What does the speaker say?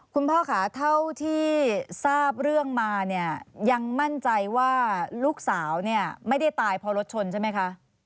คุณพ่อค่ะเท่าที่ทราบเรื่องมาเนี่ยยังมั่นใจว่าลูกสาวเนี่ยไม่ได้ตายเพราะรถชนใช่ไหมคะ